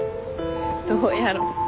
どうやろ。